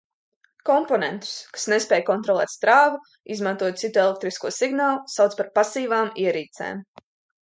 "Komponentus, kas nespēj kontrolēt strāvu, izmantojot citu elektrisko signālu, sauc par "pasīvām" ierīcēm."